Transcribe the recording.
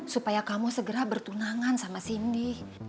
supaya kamu segera bertunangan sama cindy